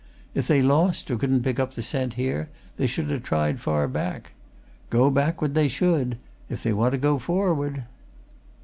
If they lost or couldn't pick up the scent here, they should ha' tried far back. Go backward they should if they want to go forward."